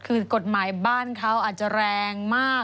คือกฎหมายบ้านเขาอาจจะแรงมาก